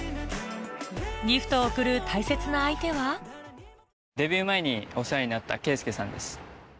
ギフトを贈る大切な相手はデビュー前にお世話になったＫーＳＵＫＥさんです。